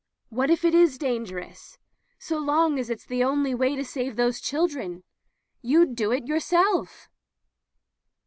What, if it is dangerous — so long as it's the only way to save those children ? You'd do it yourself."